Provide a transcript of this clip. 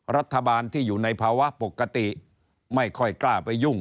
รัฐบาลที่อยู่ในภาวะปกติไม่ค่อยกล้าไปยุ่ง